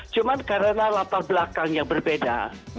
cuma karena latar belakang yang berbeda